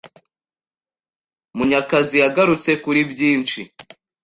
Munyakazi yagarutse kuri byinshi